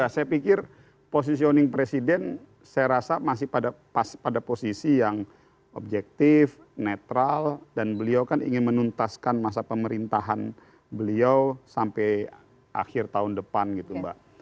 saya pikir positioning presiden saya rasa masih pada posisi yang objektif netral dan beliau kan ingin menuntaskan masa pemerintahan beliau sampai akhir tahun depan gitu mbak